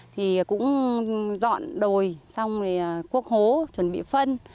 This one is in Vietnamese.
thì cũng dọn đồi xong thì quốc hố chuẩn bị phân